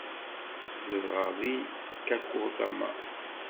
Zedɣeɣ deg Kakogawa.